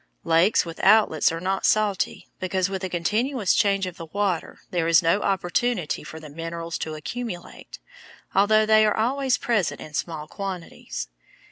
Lakes with outlets are not salty, because with a continuous change of the water there is no opportunity for the minerals to accumulate, although they are always present in small quantities.